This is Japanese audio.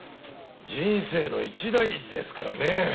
人生の一大事ですからねえ。